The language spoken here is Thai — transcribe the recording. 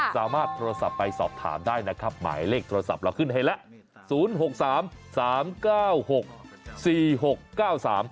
สามารถโทรศัพท์ไปสอบถามได้นะครับหมายเลขโทรศัพท์เราขึ้นให้แล้ว๐๖๓๓๙๖๔๖๙๓